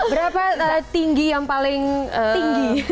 berapa tinggi yang paling tinggi